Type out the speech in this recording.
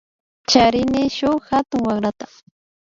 Charini shuk hatun warata